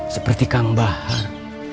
seperti kang bahar